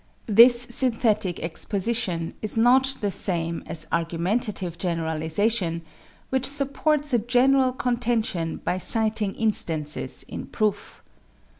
This synthetic exposition is not the same as argumentative generalization, which supports a general contention by citing instances in proof.